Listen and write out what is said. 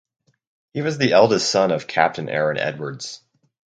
He was the eldest son of Captain Aaron Edwards.